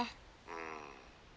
「うん。